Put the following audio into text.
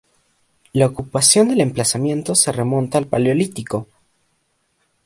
La ocupación del emplazamiento se remonta al Paleolítico.